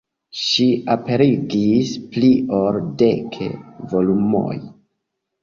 Ŝi aperigis pli ol dek volumojn.